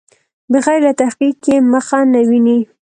بغیر له تحقیق یې مخه نه ویني.